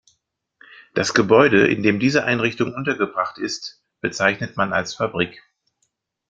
Das Gebäude, in dem diese Einrichtung untergebracht ist, bezeichnet man als Fabrik.